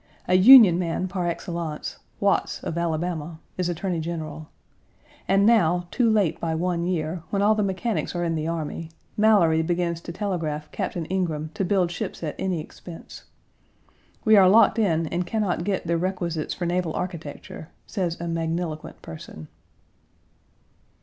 A Union man par excellence, Watts, of Alabama, is Attorney General. And now, too late by one year, when all the mechanics are in the army, Mallory begins to telegraph Captain Ingraham to build ships at any expense. We are locked in and can not get "the requisites for naval architecture," says a magniloquent person.